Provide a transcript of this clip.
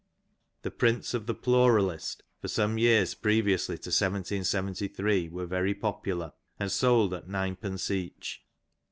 '" The prints of "the Pluralist" for some years previously to 1 773 were very popular, and sold at ninepence each.